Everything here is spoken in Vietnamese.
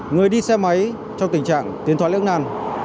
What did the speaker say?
người đi xe máy trong tình trạng tiền thoại lưỡng nàn